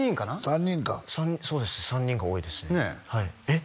３人かそうです３人が多いですねえっ？